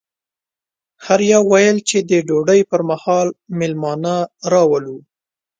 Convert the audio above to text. هر یوه ویل چې د ډوډۍ پر مهال مېلمانه راولو.